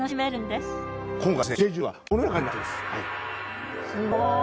すごい。